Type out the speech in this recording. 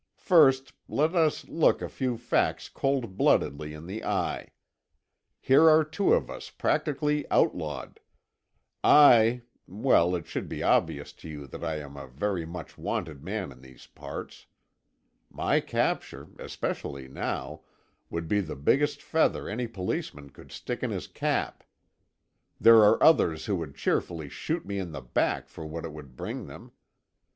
First, let us look a few facts cold bloodedly in the eye. Here are two of us practically outlawed. I—well, it should be obvious to you that I am a very much wanted man in these parts. My capture—especially now—would be the biggest feather any Policeman could stick in his cap. There are others who would cheerfully shoot me in the back for what it would bring them.